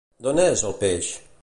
D'on és, el peix?